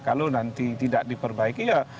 kalau nanti tidak diperbaiki ya